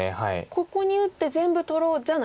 ここに打って全部取ろうじゃないんですね。